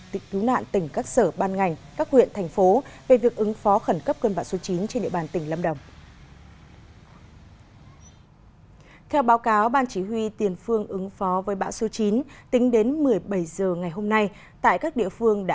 tịnh cứu nạn tỉnh các sở ban ngành các huyện thành phố về việc ứng phó khẩn cấp cơn bão số chín trên địa bàn tỉnh lâm đồng